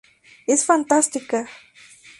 Es fantástica!